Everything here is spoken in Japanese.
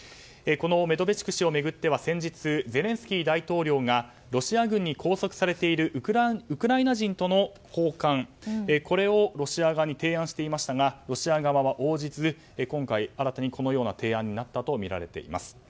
メドベチュク氏を巡っては先日ゼレンスキー大統領がロシア軍に拘束されているウクライナ人との交換をロシア側に提案していましたがロシア側は応じず今回、新たにこのような提案になったとみられています。